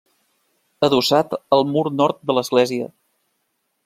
Adossat al mur nord de l'església.